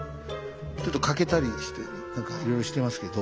ちょっと欠けたりして何かいろいろしてますけど。